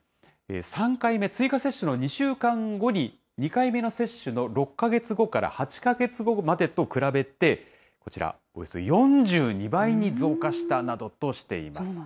３回目、追加接種の２週間後に２回目の接種の６か月後から８か月後までと比べて、こちらおよそ４２倍に増加したなどとしています。